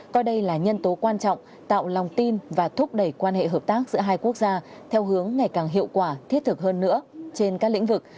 coi đây là nhân tố quan trọng tạo lòng tin và thúc đẩy quan hệ hợp tác giữa hai quốc gia theo hướng ngày càng hiệu quả thiết thực hơn nữa trên các lĩnh vực